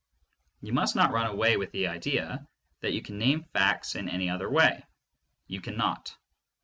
You must not run away with the idea that you can name facts in any other way ; you cannot.